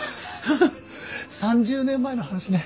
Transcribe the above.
３０年前の話ね。